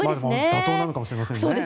妥当なのかもしれません。